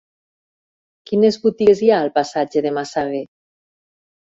Quines botigues hi ha al passatge de Massaguer?